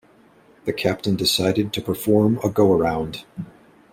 The Captain decided to perform a go-around.